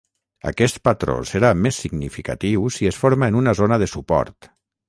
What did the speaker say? Aquest patró serà més significatiu si es forma en una zona de suport.